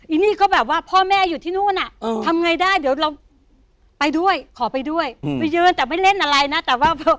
นี่ก็แบบว่าพ่อแม่อยู่ที่นู่นอ่ะทำไงได้เดี๋ยวเราไปด้วยขอไปด้วยไปยืนแต่ไม่เล่นอะไรนะแต่ว่า